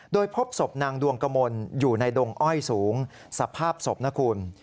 โดยพบศพนางดวงกมลอยู่ในดงอ้อยสูงสภาพศพนะคุณ